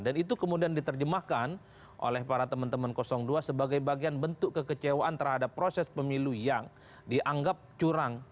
itu kemudian diterjemahkan oleh para teman teman dua sebagai bagian bentuk kekecewaan terhadap proses pemilu yang dianggap curang